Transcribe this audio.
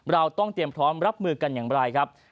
เราต้องเรียนรับมือกันอย่างมากครับ